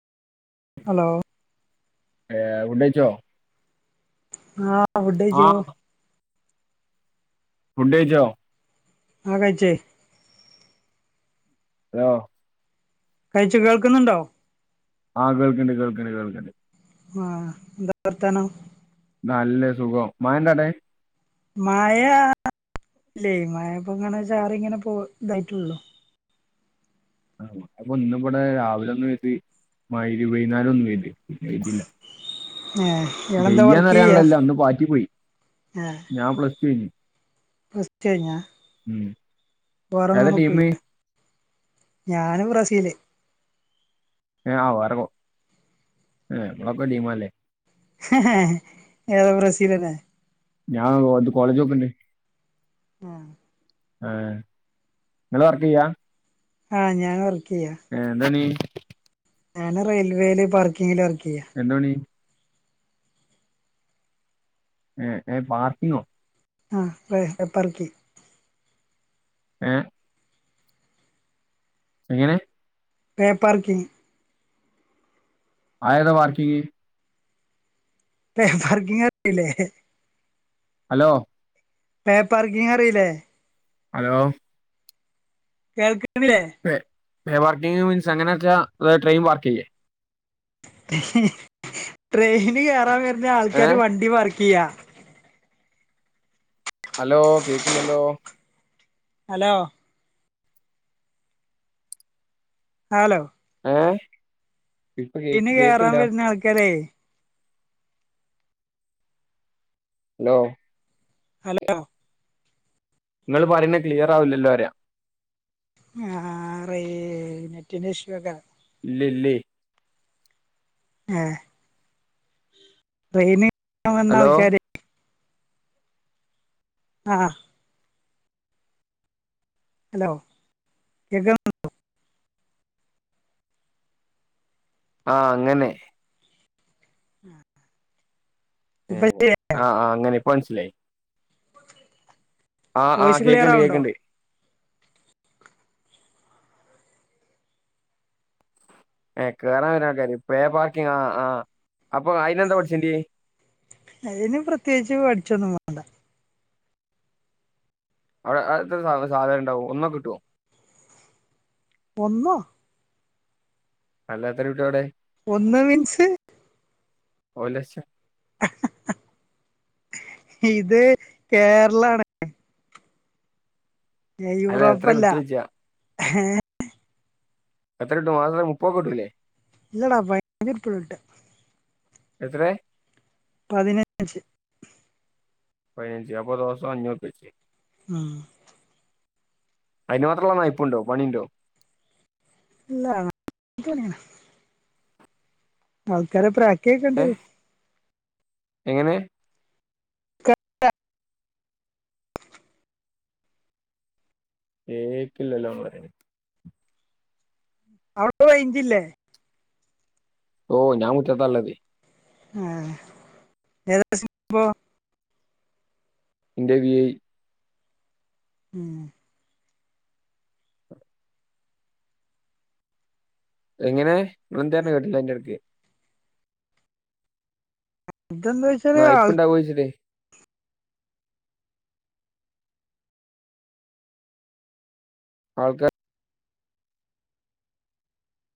Hello ഏഹ് ഫുഡേച്ചോ ആഹ് ആ ഫുഡേച്ചു ഫുഡേച്ചോ ആഹ കഴിച്ചെയ് ഹലോ കഴിച്ചു കേൾക്കുന്നുണ്ടോ ആഹ കേൾക്കണ്ട് കേൾക്കണ്ട് കേൾക്കണ്ട് ആഹ് എന്ത വർത്താനം നല്ല സുഖം മഴഡാവിടേ മഴ ഇല്ലേ മഴപ്പൊ ഇങ്ങനെ ചാറി ഇങ്ങനെ പോ ഇതായിട്ടുള്ളോ ആഹ അപ്പൊ ഇന്ന് ഇവിടെ രാവിലെ ഒന്നു പെയ്തി മ വൈകുന്നേരം ഒന്നു പെയ്ത് പിന്നെ പെയ്തില്ല ഹേ പെയ്യാന്ന്റിയാനുള്ളല്ല ഒന്ന് പാറ്റി പോയി ഹേ ഞാൻ പ്ലസ്ടു കഴിഞ്ഞ് പ്ലസ്ടു കഴിഞ്ഞ ഉം ഏതാ വേറൊന്നും ടീം നോക്കുനില്ലേ ഞാന് ബ്രസീല് ഏ ആറെക്ക ഇമ്മളൊക്കെ ഒരു ഡീമാല്ലേ ഹ്ഹഎ ഏത ബ്രസീലല്ലേ ഞാൻ കോ കോളേജ് നോക്കണ്ട് ആഹ് ആഹ നിങ്ങൾ വർക്ക് ചെയ്യാം ആഹ ഞാൻ വർക്ക് ചെയ്യാ ഏ എന്താനീ ഞാന് റെയിൽവേയില് പർക്കിങ്ങില് വർക്ക് ചെയ്യാ എന്താ പണി ഏയ് ഏയ് പാർക്കിങ്ങോ ആഹ് പേ പെർക്കി ഏഹ് എങ്ങനെ പേപാർക്കിങ് അതേതാ പാർക്കിങ് പേ പാർക്കിങ് അറിയൂല്ലേ ഹലോ പേപാർക്കിങ് അറിയൂല്ലേ ഹലോ കേൾക്കണില്ലേ പേ പേപാർക്കിംങ് മീൻസ് അങ്ങനെ വെച്ചാ അത്‌ ട്രെയിൻ പാർക്ക് ചെയ്യേ ട്രെയിന് കെയറാൻ വരുന്ന ആൾക്കാര് ഏഹ് വണ്ടി പാർക്ക് ചെയ്യാ ഹലോ കേക്കില്ലല്ലോ ഹലോ ഹലോ ഏഹ് ഇപ്പ കേക്ക് കേക്കില്ലാ ആൾക്കാരേ ഹലോ ഹലോ നിങ്ങള് പറയുന്ന ക്ലിയർ ആവില്ലല്ലോ പറയാ ആഹ് റേ നെറ്റിന്റെ ഇഷ്യുയൊക്കാ ഇല്ലില്ലേ ആഹ് ട്രെയിനി [unintelligible] വന്ന ഹലോ ആൾക്കാര് ആഹ് ഹലോ കേക്കാമൊ ആഹ് അങ്ങനെ [unintelligible] ആഹ് ആഹ് അങ്ങനെ ഇപ്പൊ മനസ്സിലായി ആഹ് ആഹ് വോയിസ് ക്ലിയർ കേ‌ക്കിണ്ട് ആവുണ്ടോ കേ‌ക്കിണ്ട് എഹ് കേറാൻ വരണ ആൾക്കാര് പേപാർകിംങ് ആഹ് ആഹ് അപ്പൊ അയിന് എന്താ പഠിച്ചണ്ടേ അതിന് പ്രത്യേകിച്ച് പഠിച്ചൊന്നുംവേ അവിടെ അതെത്ര സാല സാലറി ഇണ്ടാവും ഒന്നൊക്കൊ കിട്ടുവോ ഒന്നോ അല്ല എത്ര കിട്ടും അവിടെ ഒന്ന് മീൻസ് ഒരുലക്ഷം ഇത് കേരളാണ് അല്ല എത്ര യൂറോപ്പല്ല കിട്ടൂന്നോയ്ച്ച എത്ര കിട്ടും മാസത്തി മുപ്പതൊക്കൊ കിട്ടൂല്ലേ ഇല്ലടാ [unintelligible] എത്രയാ പതിനഞ്ച് പതിനഞ്ച് അപ്പൊ ദിവസം അഞ്ഞൂറുപ്പ്യ വെച്ച് ഉം അയ്ന് മാത്രൊള്ള നയിപ്പുണ്ടോ പണീണ്ടൊ ഇല്ല [inaudible] ആൾക്കാരെ പ്രാക്കേക്കേണ്ടെ ഏഹ് എങ്ങനെ ഏകില്ലോല്ലോ പറിണ് അവടെ റേഞ്ചില്ലേ? ഓ ഞാൻ മുറ്റതാള്ളത്. ഏഹ് [unintelligible] പ്പൊ ഇന്റെ വി ഐ ഉം എങ്ങനെ ങ്‌ളെന്തർഞ്ഞേ കേട്ടില്ല അയ്ന്റെടക്ക്. ഇജ്ന്തോയ് നായ്പ്പോണ്ടാവോയ്ച്ചിട്ടെ ആൾക്കാ